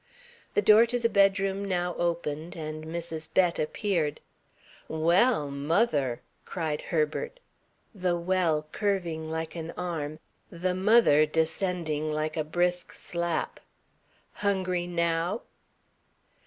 The door to the bedroom now opened and Mrs. Bett appeared. "Well, mother!" cried Herbert, the "well" curving like an arm, the "mother" descending like a brisk slap. "Hungry _now?